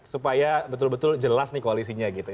supaya betul betul jelas nih koalisinya gitu ya